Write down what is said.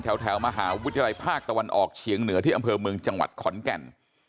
แถวมหาวิทยาลัยภาคตะวันออกเฉียงเหนือที่อำเภอเมืองจังหวัดขอนแก่น